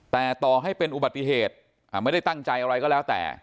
แต่ต่อให้เป็นอุบัติเหตุไม่ได้ตั้งใจอะไรก็แล้วแต่